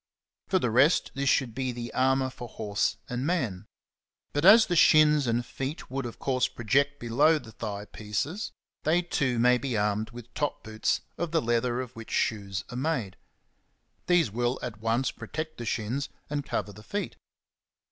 For the rest, this should be the armour for horse and man ; but as the shins and feet would of course project below the thigh pieces, they too may be armed with top boots 7 of the leather of which shoes are made. These will at once protect the shins and cover the feet.